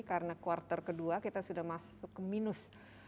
karena kuartal kedua kita sudah masuk ke minus